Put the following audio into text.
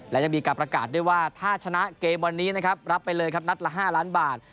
และยังมีการประกาศด้วยว่าถ้าชนะเกมวันนี้นะครับรับไปเลยครับนัดละ๕ล้านบาท